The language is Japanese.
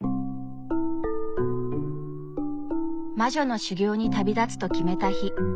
魔女の修業に旅立つと決めた日。